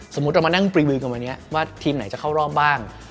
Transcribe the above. สมมุติเรามานั่งปรีมือกันวันนี้ว่าทีมไหนจะเข้ารอบบ้าง